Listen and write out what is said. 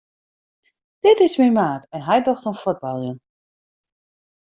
Dit is myn maat en hy docht oan fuotbaljen.